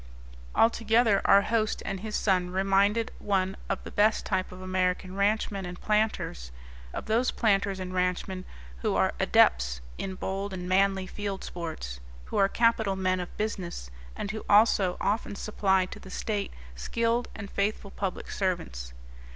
Altogether, our host and his son reminded one of the best type of American ranchmen and planters, of those planters and ranchmen who are adepts in bold and manly field sports, who are capital men of business, and who also often supply to the state skilled and faithful public servants.